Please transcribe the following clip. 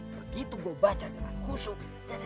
begitu gue baca dengan kusuk